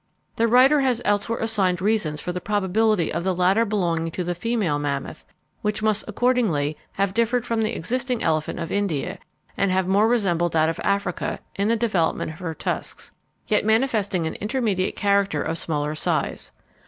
The writer has elsewhere assigned reasons for the probability of the latter belonging to the female mammoth, which must accordingly have differed from the existing elephant of India, and have more resembled that of Africa, in the development of her tusks, yet manifesting an intermediate character of smaller size.